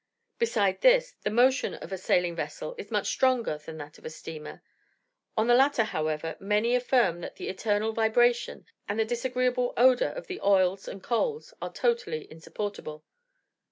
Besides this, the motion of a sailing vessel is much stronger than that of a steamer; on the latter, however, many affirm that the eternal vibration, and the disagreeable odour of the oil and coals, are totally insupportable.